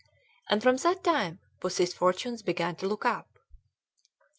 And from that time Pussy's fortunes began to look up.